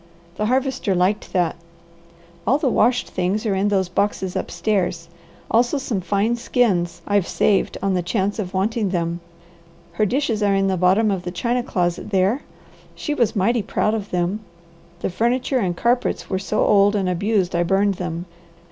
The Harvester liked that. "All the washed things are in those boxes upstairs; also some fine skins I've saved on the chance of wanting them. Her dishes are in the bottom of the china closet there; she was mighty proud of them. The furniture and carpets were so old and abused I burned them.